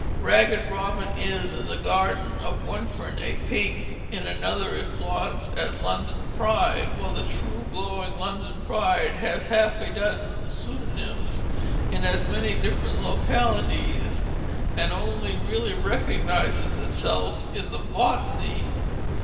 Ragged robin is, in the garden of one friend, a pink, in another it flaunts as London pride, while the true glowing London pride has half a dozen pseudonyms in as many different localities, and only really recognizes itself in the botany.